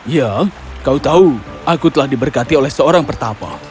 ya kau tahu aku telah diberkati oleh seorang pertapa